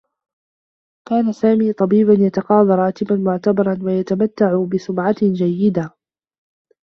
كان سامي طبيبا يتقاضى راتبا معتبرا و يتمتّع بسمعة جيّدة.